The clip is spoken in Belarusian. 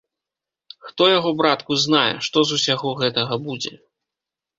Хто яго, братку, знае, што з усяго гэтага будзе?